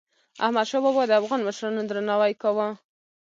احمدشاه بابا د افغان مشرانو درناوی کاوه.